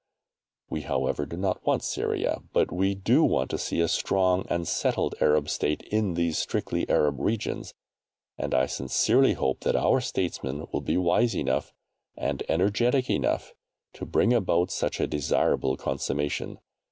We, however, do not want Syria, but we do want to see a strong and settled Arab state in these strictly Arab regions, and I sincerely hope that our Statesmen will be wise enough, and energetic enough, to bring about such a desirable consummation.